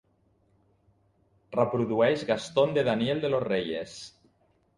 Reprodueix Gaston de Daniel De Los Reyes.